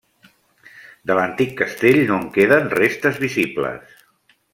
De l'antic castell no en queden restes visibles.